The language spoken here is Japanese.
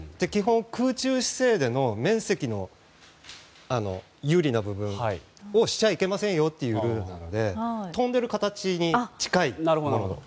基本、空中姿勢での面積の有利な部分をしちゃいけませんよというルールなので飛んでる形に近い。